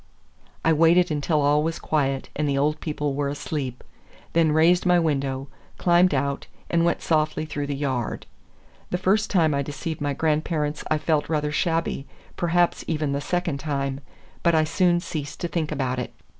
I waited until all was quiet and the old people were asleep, then raised my window, climbed out, and went softly through the yard. The first time I deceived my grandparents I felt rather shabby, perhaps even the second time, but I soon ceased to think about it.